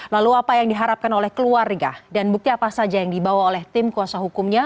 lalu apa yang diharapkan oleh keluarga dan bukti apa saja yang dibawa oleh tim kuasa hukumnya